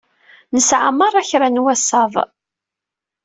Nesɛa merra kra n wasaḍ.